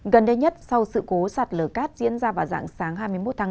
gần đây nhất sau sự cố sạt lở cát diễn ra vào dạng sáng hai mươi một tháng tám